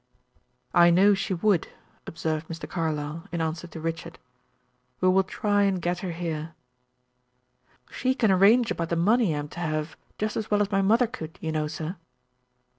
"I know she would," observed Mr. Carlyle, in answer to Richard. "We will try and get her here." "She can arrange about the money I am to have, just as well as my mother could you know, sir."